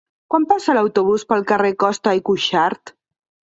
Quan passa l'autobús pel carrer Costa i Cuxart?